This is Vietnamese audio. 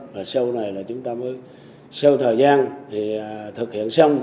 và sau này là chúng ta mới sau thời gian thì thực hiện xong